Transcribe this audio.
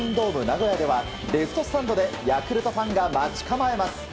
名古屋ではレフトスタンドでヤクルトファンが待ち構えます。